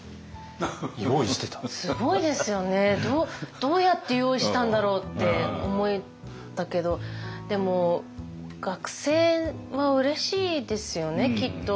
どうやって用意したんだろうって思ったけどでも学生はうれしいですよねきっと。